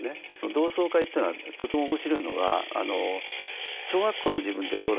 同窓会というのはとても面白いのは小学校の自分ってどうだったんだ？